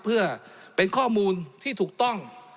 เพื่อเป็นข้อมูลที่ถูกต้อง